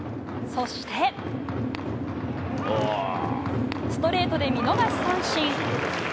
そしてストレートで見逃し三振。